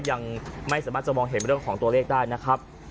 ยังไม่สามารถจะมองเห็นเรื่องของตัวเลขได้นะครับ